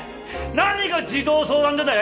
何が児童相談所だよ！